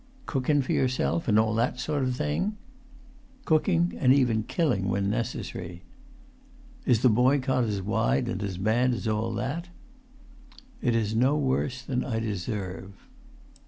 "Cookin' for yourself, and all that sort of thing?" "Cooking and even killing when necessary." "Is the boycott as wide and as bad as all that?" "It is no worse than I deserve."